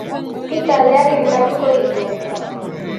Bi taldeak elkartu ditugu.